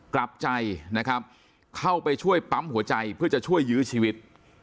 กลับใจนะครับเข้าไปช่วยปั๊มหัวใจเพื่อจะช่วยยื้อชีวิต